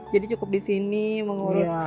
jadi cukup disini mengurus